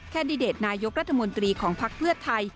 แดดิเดตนายกรัฐมนตรีของภักดิ์เพื่อไทย